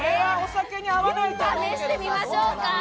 試してみましょうか。